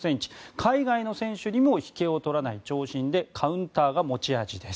海外の選手にも引けを取らない長身でカウンターが持ち味です。